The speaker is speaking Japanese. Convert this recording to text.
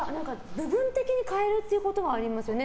部分的に変えるということはありますね。